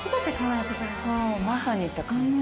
まさにって感じ。